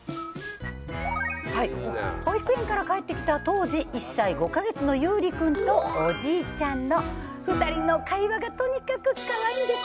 保育園から帰ってきた当時１歳５か月のゆうりくんとおじいちゃんの２人の会話がとにかくかわいいんです。